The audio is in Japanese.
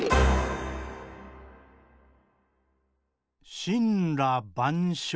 「しんらばんしょう」。